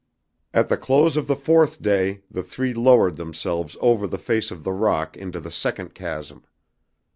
At the close of the fourth day the three lowered themselves over the face of the rock into the second chasm.